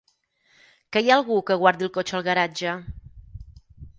Que hi ha algú que guardi el cotxe al garatge?